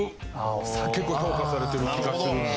結構評価されてる気がするので。